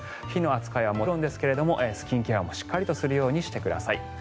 火の扱いはもちろんですがスキンケアもしっかりとするようにしてください。